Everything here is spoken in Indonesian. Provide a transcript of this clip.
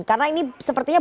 karena ini sepertinya